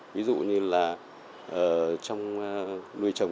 ví dụ như là trong nuôi trồng